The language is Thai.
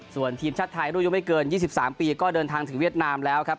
ส่วนทีมชาติไทยรุ่นอายุไม่เกิน๒๓ปีก็เดินทางถึงเวียดนามแล้วครับ